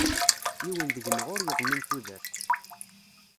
Yiwen deg-neɣ ur yeḍmin tudert.